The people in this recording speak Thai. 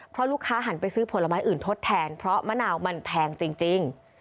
เพราะลูกค้าหันไปซื้อผลไม้อื่นทดแทนเพราะมะนาวมันแพงจริง